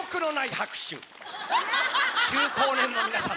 中高年の皆さん